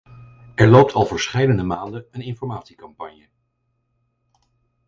Er loopt al verscheidene maanden een informatiecampagne.